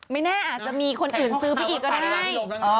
ไม่แน่อาจจะมีคนอื่นซื้อไปอีกก็ได้